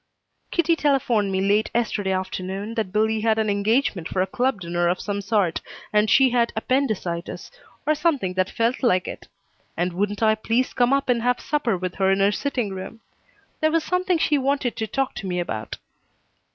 Kitty telephoned me late yesterday afternoon that Billie had an engagement for a club dinner of some sort, and she had appendicitis, or something that felt like it, and wouldn't I please come up and have supper with her in her sitting room. There was something she wanted to talk to me about.